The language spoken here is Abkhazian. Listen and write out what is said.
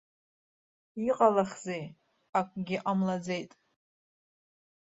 Иҟалахзеи, акгьы ҟамлаӡеит.